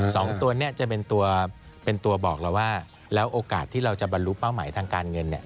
สองตัวนี้จะเป็นตัวเป็นตัวบอกเราว่าแล้วโอกาสที่เราจะบรรลุเป้าหมายทางการเงินเนี่ย